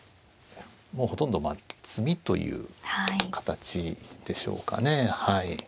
もうほとんど詰みという形でしょうかね。